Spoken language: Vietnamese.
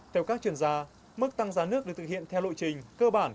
theo các chuyển giá mức tăng giá nước được thực hiện theo lộ trình cơ bản